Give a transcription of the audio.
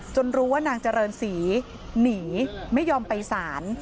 รู้ว่านางเจริญศรีหนีไม่ยอมไปศาล